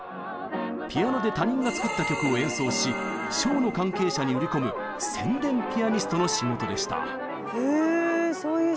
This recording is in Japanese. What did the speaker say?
ピアノで他人が作った曲を演奏しショーの関係者に売り込む宣伝ピアニストの仕事でした。